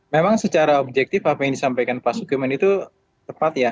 memang secara objektif apa yang disampaikan pak sukiman itu tepat ya